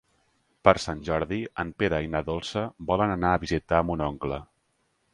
Per Sant Jordi en Pere i na Dolça volen anar a visitar mon oncle.